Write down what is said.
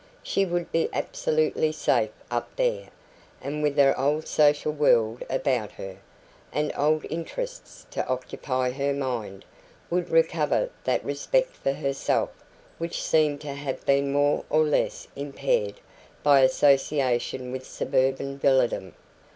She would be absolutely safe up there, and with her old social world about her, and old interests to occupy her mind, would recover that respect for herself which seemed to have been more or less impaired by association with suburban villadom.